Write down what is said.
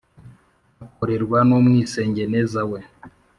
akorerwa n umwisengeneza we